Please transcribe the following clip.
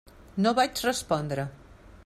No vaig respondre.